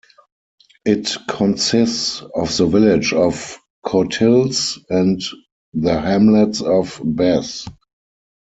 It consists of the village of Curtilles and the hamlets of Bez.